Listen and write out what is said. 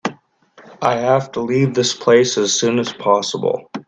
I have to leave this place as soon as possible.